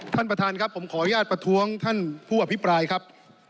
ท่านประธานครับผมขออนุญาตประท้วงท่านผู้อภิปรายครับ